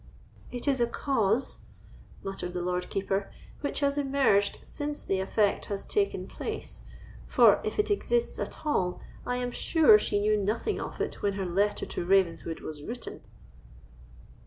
"It is a cause," muttered the Lord Keeper, "which has emerged since the effect has taken place; for, if it exists at all, I am sure she knew nothing of it when her letter to Ravenswood was written."